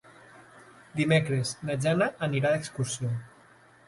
Dimecres na Jana anirà d'excursió.